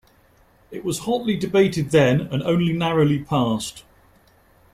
It was hotly debated then, and only narrowly passed.